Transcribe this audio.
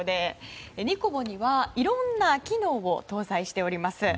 ＮＩＣＯＢＯにはいろんな機能を搭載しております。